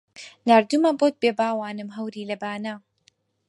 ناردوومە بۆت بێ باوانم هەوری لە بانە